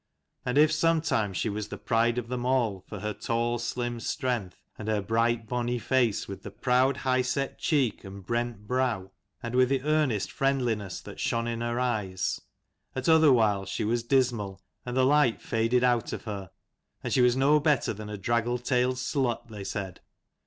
And if sometimes she was the pride of them all, for her tall, slim strength, and her bright bonny face with the proud high set cheek and brent brow, and with the earnest friendliness that shone in her eyes ; at other whiles she was dismal, and the light faded out of her, and she was no better than a draggle tailed slut, they said.